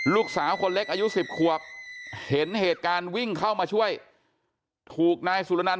ลูกสาวคนเล็กอายุ๑๐ขวบเห็นเหตุการณ์วิ่งเข้ามาช่วยถูกนายสุรนันท